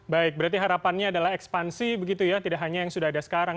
baik berarti harapannya adalah ekspansi begitu ya tidak hanya yang sudah ada sekarang